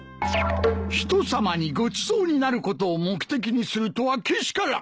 人様にごちそうになることを目的にするとはけしからん！